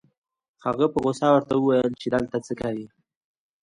هغه په غصه ورته وويل چې دلته څه کوې؟